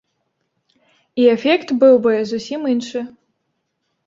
І эфект быў бы зусім іншы.